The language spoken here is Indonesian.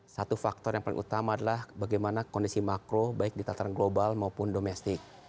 satu faktor yang paling utama adalah bagaimana kondisi makro baik di tataran global maupun domestik